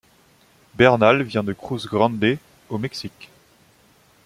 Bernal vient de Cruz Grande, au Mexique.